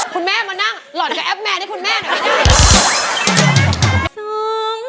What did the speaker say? คุณแม่มานั่งหล่อนกับแอปแมนให้คุณแม่หน่อยไม่ได้